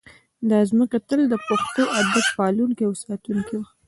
دا ځمکه تل د پښتو ادب پالونکې او ساتونکې وه